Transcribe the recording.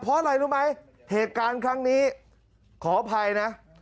เพราะอะไรรู้ไหมเหตุการณ์ครั้งนี้ขออภัยนะ